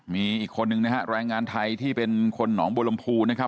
มีอีกคนนึงนะฮะแรงงานไทยที่เป็นคนหนองบัวลำพูนะครับ